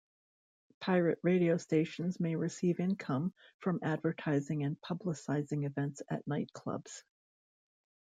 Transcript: Pirate radio stations may receive income from advertising and publicising events at nightclubs.